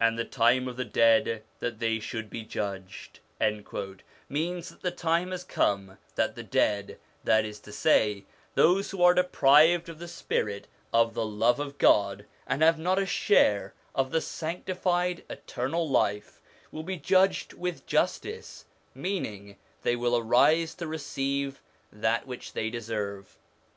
'And the time of the dead that they should be judged,' means that the time has come that the dead that is to say, those who are deprived of the spirit of the love of God and have not a share of the sanctified eternal life will be judged with justice, meaning they will arise to receive that which they deserve.